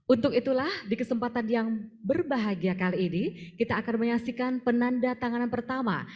untuk itulah di kesempatan yang berbahagia kali ini kita akan menyaksikan penanda tanganan pertama